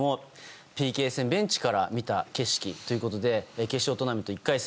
ＰＫ戦、ベンチから見た景色ということで決勝トーナメント１回戦